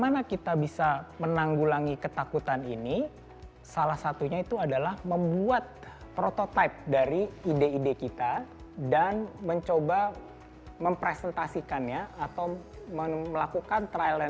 nah disinilah di mana bisnis itu bisa menjadi over thinking